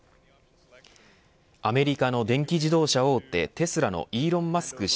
アメリカの電気自動車大手テスラのイーロン・マスク